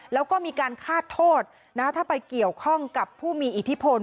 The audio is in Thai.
แล้วก็มีการฆาตโทษถ้าไปเกี่ยวข้องกับผู้มีอิทธิพล